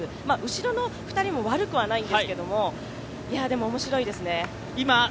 後ろの２人も悪くはないんですが、でも面白いですね。